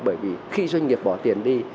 bởi vì khi doanh nghiệp bỏ tiền đi